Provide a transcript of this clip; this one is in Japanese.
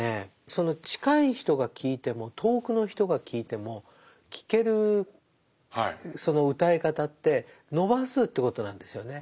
その近い人が聴いても遠くの人が聴いても聴けるその歌い方って伸ばすということなんですよね。